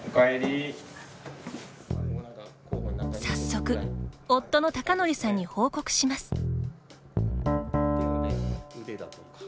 早速、夫の孝典さんに報告します。